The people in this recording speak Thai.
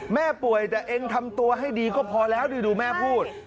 แม่ป่วยแต่เองทำตัวให้ดีก็พอแล้วนี่ดูแม่พูด